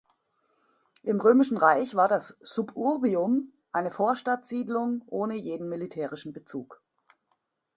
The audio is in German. Im Römischen Reich war das "suburbium" eine Vorstadtsiedlung, ohne jeden militärischen Bezug.